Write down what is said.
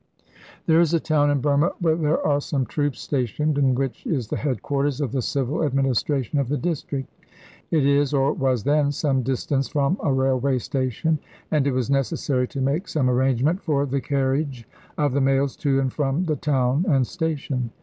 There is a town in Burma where there are some troops stationed, and which is the headquarters of the civil administration of the district. It is, or was then, some distance from a railway station, and it was necessary to make some arrangement for the carriage of the mails to and from the town and station.